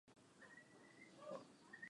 na huko barani afrika timu ya ya taifa